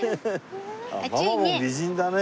ママも美人だね。